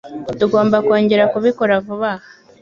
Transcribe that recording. Tugomba kongera kubikora vuba aha.